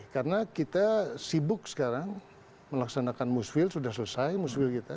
karena kita sibuk sekarang melaksanakan musfil sudah selesai musfil kita